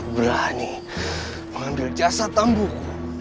berani mengambil jasa tambuk